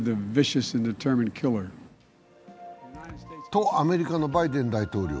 とアメリカのバイデン大統領。